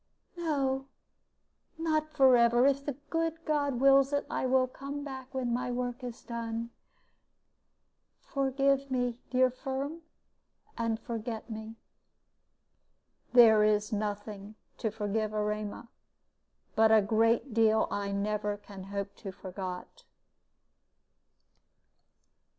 "No, not forever. If the good God wills it, I will come back when my work is done. Forgive me, dear Firm, and forget me." "There is nothing to forgive, Erema; but a great deal I never can hope to forgot."